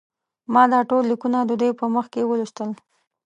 ما دا ټول لیکونه د دوی په مخ کې ولوستل.